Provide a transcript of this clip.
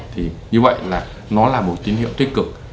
thì như vậy là nó là một tín hiệu tích cực